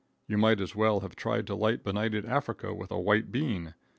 You might as well have tried to light benighted Africa with a white bean.